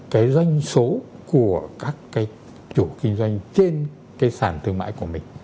cái doanh số của các cái chủ kinh doanh trên cái sản thương mại của mình